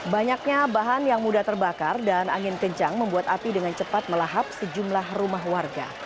banyaknya bahan yang mudah terbakar dan angin kencang membuat api dengan cepat melahap sejumlah rumah warga